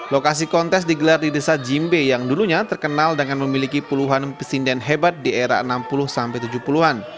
lokasi kontes digelar di desa jimbe yang dulunya terkenal dengan memiliki puluhan pesinden hebat di era enam puluh sampai tujuh puluh an